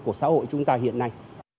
của xã hội chúng ta hiện nay